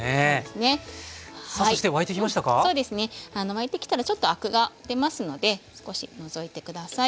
沸いてきたらちょっとアクが出ますので少し除いて下さい。